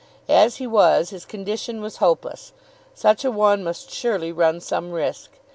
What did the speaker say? As he was, his condition was hopeless. Such a one must surely run some risk.